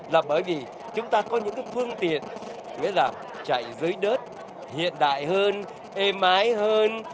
là bởi vì chúng ta có những phương tiện chạy dưới đất hiện đại hơn êm ái hơn